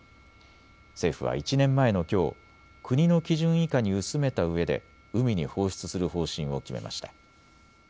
政府は１年前のきょう、国の基準以下に薄めたうえで海に放出する方針を決めました。